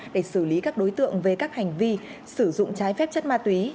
để xử lý các đối tượng về các hành vi sử dụng trái phép chất ma túy